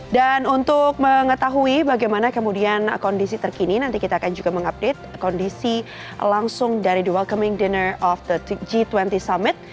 dan untuk mengetahui bagaimana kemudian kondisi terkini nanti kita akan juga mengupdate kondisi langsung dari the welcoming dinner of the g dua puluh summit